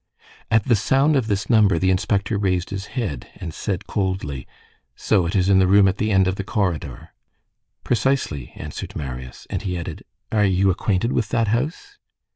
At the sound of this number, the inspector raised his head, and said coldly:— "So it is in the room at the end of the corridor?" "Precisely," answered Marius, and he added: "Are you acquainted with that house?"